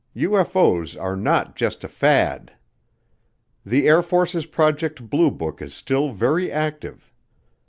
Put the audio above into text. UFO's are not just a fad. The Air Force's Project Blue Book is still very active.